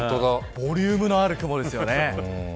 ボリュームのある雲ですよね。